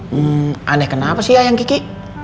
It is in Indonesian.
hmm aneh kenapa sih ya ya gigi